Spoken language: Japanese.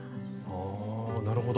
ああなるほど。